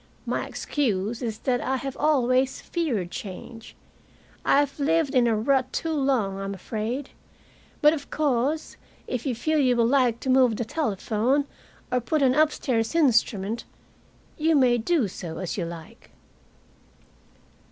My excuse is that I have always feared change. I have lived in a rut too long, I'm afraid. But of course, if you feel you would like to move the telephone, or put in an upstairs instrument, you may do as you like."